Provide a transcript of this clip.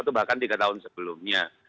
atau bahkan tiga tahun sebelumnya